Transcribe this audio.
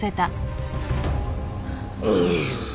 ああ。